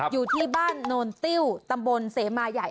อยู่ที่บ้านโนนติ้วตำบลเสมาใหญ่